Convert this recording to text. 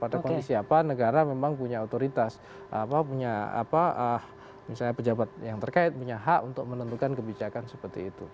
pada kondisi apa negara memang punya otoritas punya pejabat yang terkait punya hak untuk menentukan kebijakan seperti itu